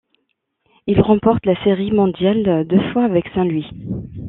Il remporte la Série mondiale deux fois avec Saint-Louis.